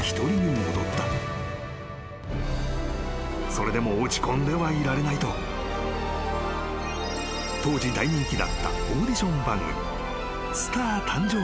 ［それでも落ち込んではいられないと当時大人気だったオーディション番組『スター誕生！』に応募］